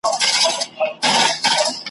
اوس اِمارت دی چي څه به کیږي ,